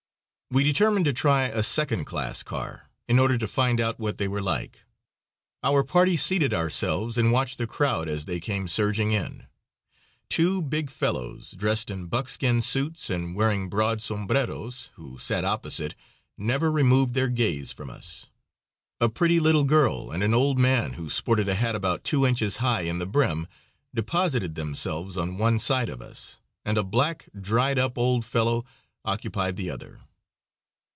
We determined to try a second class car, in order to find out what they were like. Our party seated ourselves and watched the crowd as they came surging in. Two big fellows, dressed in buckskin suits and wearing broad sombreros, who sat opposite, never removed their gaze from us. A pretty little girl and an old man who sported a hat about two inches high in the brim, deposited themselves on one side of us, and a black, dried up old fellow occupied the other.